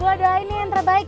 gue doain ya yang terbaik